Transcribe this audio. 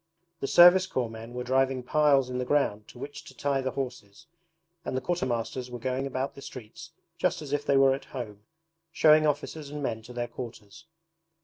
The Service Corps men were driving piles in the ground to which to tie the horses, and the quartermasters were going about the streets just as if they were at home, showing officers and men to their quarters.